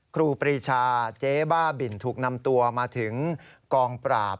ครูปรีชาเจ๊บ้าบินถูกนำตัวมาถึงกองปราบ